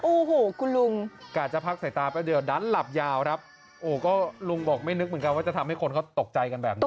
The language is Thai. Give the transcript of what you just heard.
โอ้โหคุณลุงกะจะพักใส่ตาแป๊บเดียวดันหลับยาวครับโอ้ก็ลุงบอกไม่นึกเหมือนกันว่าจะทำให้คนเขาตกใจกันแบบนี้